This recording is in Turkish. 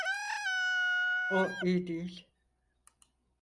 O iyi değil.